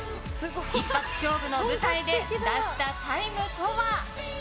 一発勝負の舞台で出したタイムとは。